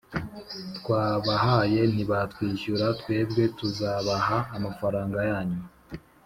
twabahaye nibatishyura twebwe tuzabaha amafaranga yanyu